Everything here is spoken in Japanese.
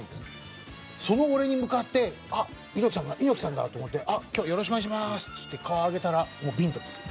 その俺に向かって猪木さんが猪木さんだと思って「今日はよろしくお願いします」っつって顔上げたらもうビンタですよ。